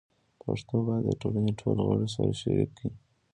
پښتو باید د ټولنې ټول غړي سره شریک کړي.